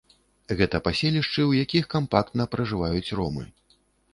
Гэта паселішчы, у якіх кампактна пражываюць ромы.